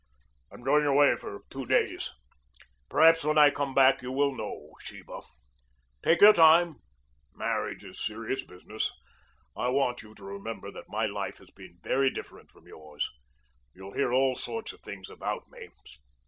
"I'm going away for two days. Perhaps when I come back you will know, Sheba. Take your time. Marriage is serious business. I want you to remember that my life has been very different from yours. You'll hear all sorts of things about me.